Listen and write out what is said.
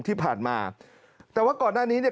ที่ผ่านมาแต่ว่าก่อนหน้านี้เนี่ย